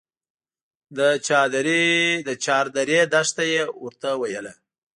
د چاردرې دښته يې ورته ويله.